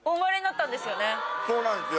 そうなんですよ。